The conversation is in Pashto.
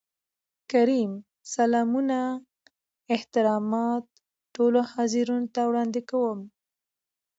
کريم : سلامونه احترامات ټولو حاضرينو ته وړاندې کوم.